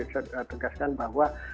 saya tegaskan bahwa